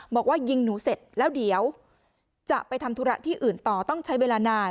บอกว่ายิงหนูเสร็จแล้วเดี๋ยวจะไปทำธุระที่อื่นต่อต้องใช้เวลานาน